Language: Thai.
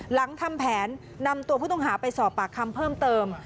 หลังทำแผนนำตัวผู้ต้องหาไปสอบปากคำเพิ่มเติม